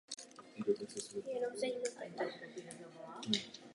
Vesnicí protéká Bělá.